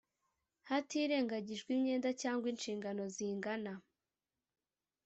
hatirengagijwe imyenda cyangwa inshingano zingana